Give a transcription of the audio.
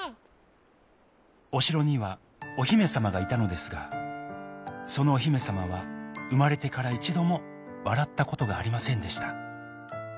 おしろにはおひめさまがいたのですがそのおひめさまはうまれてからいちどもわらったことがありませんでした。